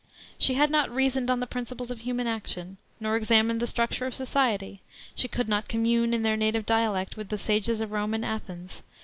She had not reasoned on the principles of human action, nor examined the structure of society.~.~.~. She could not commune in their native dialect with the sages of Rome and Athens.